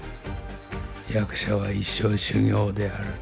「役者は一生修業である」と。